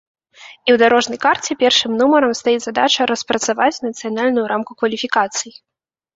І ў дарожнай карце першым нумарам стаіць задача распрацаваць нацыянальную рамку кваліфікацый.